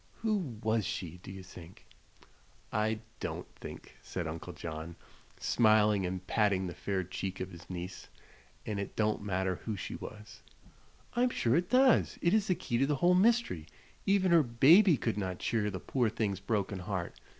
Who was she, do you think?" "I don't think," said Uncle John, smiling and patting the fair check of his niece. "And it don't matter who she was." "I'm sure it does. It is the key to the whole mystery. Even her baby could not cheer the poor thing's broken heart.